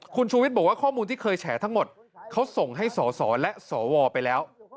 คุณชูวิทย์บอกว่าข้อมูลที่เคยแฉทั้งหมดเขาส่งให้สสและสวไปแล้ว